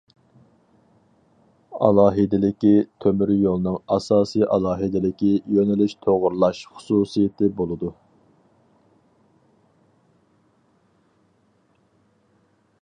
ئالاھىدىلىكى تۆمۈريولنىڭ ئاساسىي ئالاھىدىلىكى يۆنىلىش توغرىلاش خۇسۇسىيىتى بولىدۇ.